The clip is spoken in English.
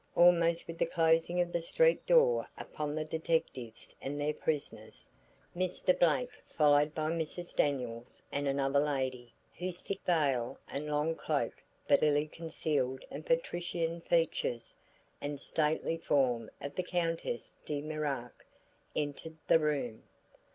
Almost with the closing of the street door upon the detectives and their prisoners, Mr. Blake followed by Mrs. Daniels and another lady whose thick veil and long cloak but illy concealed the patrician features and stately form of the Countess De Mirac, entered the room.